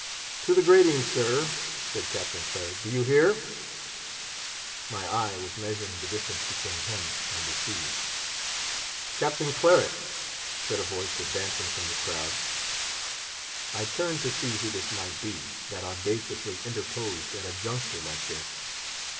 "To the gratings, sir!" said Captain Claret; "do you hear?" My eye was measuring the distance between him and the sea. "Captain Claret," said a voice advancing from the crowd. I turned to see who this might be, that audaciously interposed at a juncture like this.